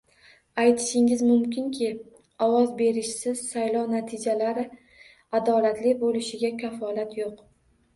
Aytishingiz mumkinki, ovoz berishsiz saylov natijalari adolatli bo'lishiga kafolat yo'q